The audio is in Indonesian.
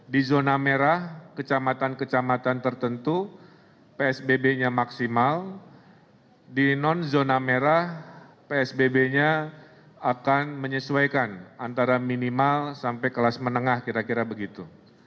di zona merah kecamatan kecamatan tertentu psbb nya maksimal di non zona merah psbb nya akan menyesuaikan antara minimal sampai kelas menengah kira kira begitu